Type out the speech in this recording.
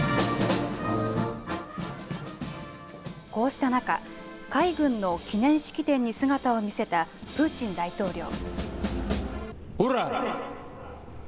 こうした中、海軍の記念式典に姿を見せたプーチン大統領。